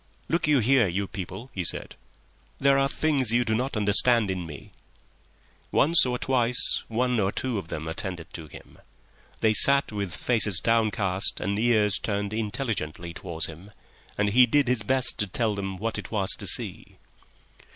"Look you here, you people," he said. "There are things you do not understand in me." Once or twice one or two of them attended to him; they sat with faces downcast and ears turned intelligently towards him, and he did his best to tell them what it was to see.